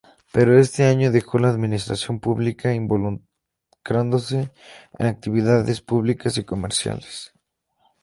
Pero ese año dejó la administración pública, involucrándose en actividades públicas y comerciales.